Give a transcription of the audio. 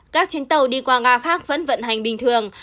các chiến tàu đi qua ga khác vẫn vận hành bình thường